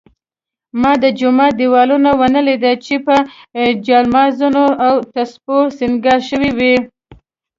ما د جومات دېوالونه ونه لیدل چې په جالمازونو او تسپو سینګار شوي وي.